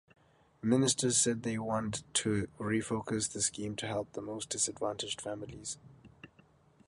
Ministers said they want to refocus the scheme to help the most disadvantaged families.